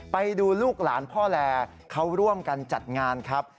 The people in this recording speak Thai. ไปดูลูกหลานพ่อแลเขาร่วมกันจัดงานครับ